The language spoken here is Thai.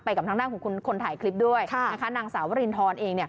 ไปกับทางหน้าคนถ่ายคลิปด้วยนะคะนางสาววารินทรเอง